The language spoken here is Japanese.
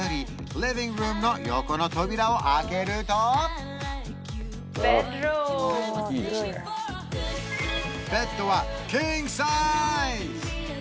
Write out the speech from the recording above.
リビングルームの横の扉を開けるとベッドはキングサイズ！